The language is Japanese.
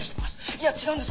いや違うんです